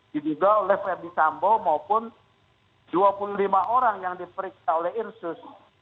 diduga oleh verdi sambo maupun dua puluh lima orang yang diperiksa oleh irsus